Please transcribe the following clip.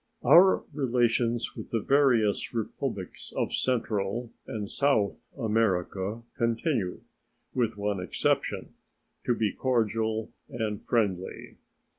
Our relations with the various Republics of Central and South America continue, with one exception, to be cordial and friendly.